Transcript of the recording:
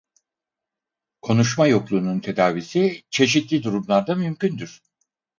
Konuşma yokluğunun tedavisi çeşitli durumlarda mümkündür.